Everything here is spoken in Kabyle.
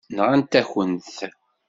Nɣant-akent-t.